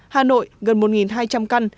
hà nội gần một hai trăm linh căn